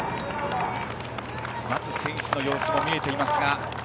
待つ選手の様子も見えています。